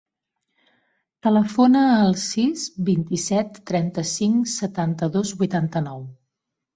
Telefona al sis, vint-i-set, trenta-cinc, setanta-dos, vuitanta-nou.